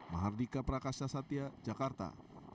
mahardika prakasya satya jakarta